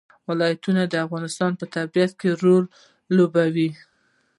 ولایتونه د افغانستان په طبیعت کې رول لوبوي.